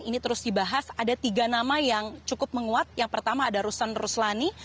ini terus dibahas ada tiga nama yang cukup menguat yang pertama ada ruslan ruslani